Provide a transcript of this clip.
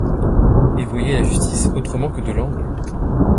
Et voyait la justice autrement que Delangle ;